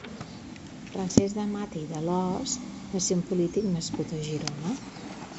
Francesc de Mata i d'Alòs va ser un polític nascut a Girona.